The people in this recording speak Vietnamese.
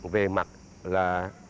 về mặt là